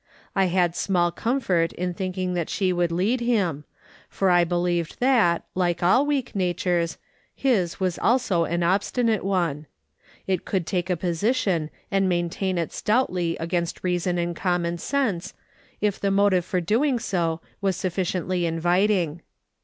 I had small comfort in thinking that she could lead him, for I believed that, like all weak natures, his was also an obstinate one ; it could take a position and maintain it stoutly againt reason and common sense, if the motive for doing so was sufficiently inviting.